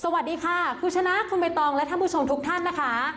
สวัสดีค่ะคุณชนะคุณใบตองและท่านผู้ชมทุกท่านนะคะ